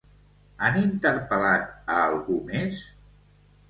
Han interpel·lat a algú més?